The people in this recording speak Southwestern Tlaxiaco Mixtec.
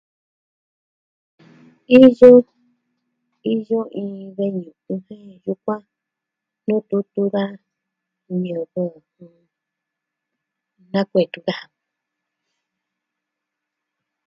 Iyo, iyo iin ve'i yukuan nututu da ñivɨ nakuetu daja.